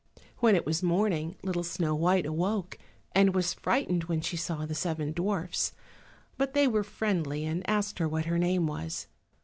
When it was morning little Snow white awoke, and was frightened when she saw the seven dwarfs. But they were friendly and asked her what her name was.